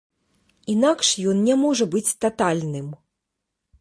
Інакш ён не можа быць татальным.